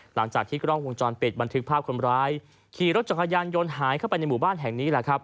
หลังจากที่กล้องวงจรปิดบันทึกภาพคนร้ายขี่รถจักรยานยนต์หายเข้าไปในหมู่บ้านแห่งนี้แหละครับ